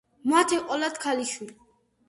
მათ ეყოლათ ქალიშვილი.